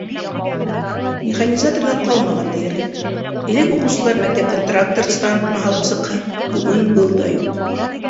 Механизаторҙар ҡалмаған тиерлек, элек уҡыусылар мәктәптән тракторсы танытмаһы алып сыҡһа — бөгөн был да юҡ.